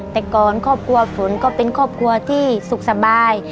แต่ก่อนครอบครัวฝนก็เป็นครอบครัวที่สุขสบาย